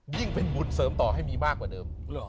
ยิ่งเป็นบุญเสริมต่อให้มีมากกว่าเดิม